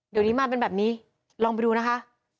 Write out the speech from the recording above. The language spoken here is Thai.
เดี๋ยวนี้มาเป็นแบบนี้ลองไปดูนะคะ